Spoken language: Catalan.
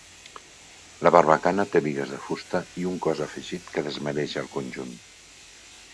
La barbacana té bigues de fusta i un cos afegit que desmereix el conjunt.